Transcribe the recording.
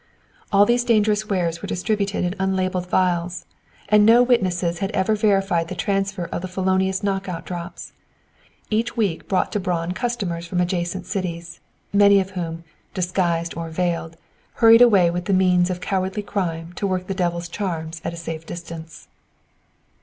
All these dangerous wares were distributed in unlabelled vials, and no witnesses had ever verified the transfer of the felonious knock out drops. Each week brought to Braun customers from adjacent cities, many of whom, disguised or veiled, hurried away with the means of cowardly crime to work the devil's charms at a safe distance.